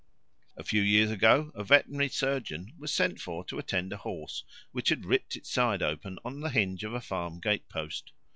A few years ago a veterinary surgeon was sent for to attend a horse which had ripped its side open on the hinge of a farm gatepost.